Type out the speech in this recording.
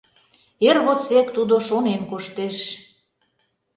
Эр годсек тудо шонен коштеш.